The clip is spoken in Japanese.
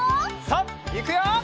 さあいくよ！